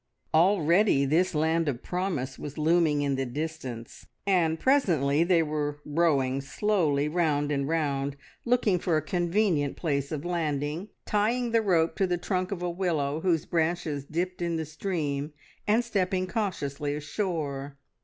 Already this land of promise was looming in the distance, and presently they were rowing slowly round and round looking for a convenient place of landing, tying the rope to the trunk of a willow whose branches dipped in the stream, and stepping cautiously ashore.